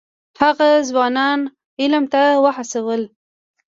هغه ځوانان علم ته وهڅول.